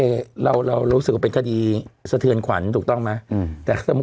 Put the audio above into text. เราเรารู้สึกว่าเป็นคดีสะเทือนขวัญถูกต้องไหมอืมแต่สมมุ